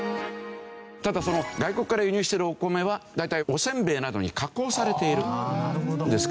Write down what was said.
ただその外国から輸入しているお米は大体おせんべいなどに加工されているんですけどね。